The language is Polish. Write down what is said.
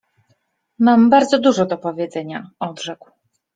— Mam bardzo dużo do powiedzenia! — odrzekł.